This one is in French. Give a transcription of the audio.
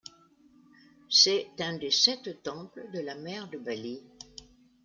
C’est un des sept temples de la mer de Bali.